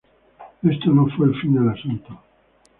Esto no fue el fin del asunto.